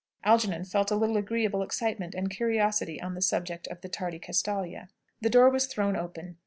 Algernon felt a little agreeable excitement and curiosity on the subject of the tardy Castalia. The door was thrown open.